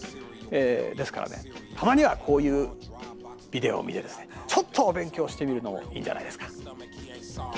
ですからねたまにはこういうビデオを見てですねちょっとお勉強してみるのもいいんじゃないですか。